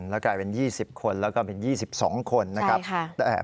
แล้วกลายเป็น๒๐คนแล้วก็เป็น๒๒คนนะครับ